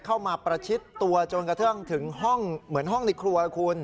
เข้ามาประชิดตัวจนกระเทืองถึงห้องเหมือนห้องลิคลัวคุณ